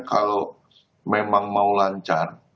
kalau memang mau lancar